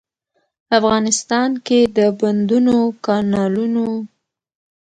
افغانستان کې د بندونو، کانالونو.